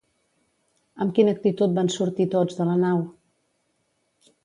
Amb quina actitud van sortir tots de la nau?